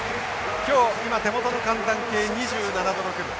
今日今手元の寒暖計２７度６分。